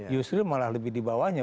yusril malah lebih di bawahnya